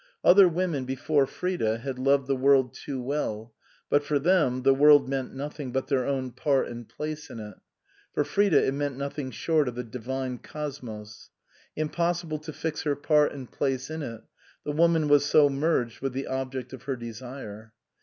Other women before Frida had loved the world too well ; but for them the world meant nothing but their own part and place in it. For Frida it meant nothing short of the divine cosmos. Im possible to fix her part and place in it ; the woman was so merged with the object of her desire.